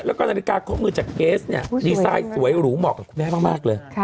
แล้วก็นาฬิกาครบมือจากเกสเนี่ยดีไซน์สวยหรูเหมาะกับคุณแม่มากเลย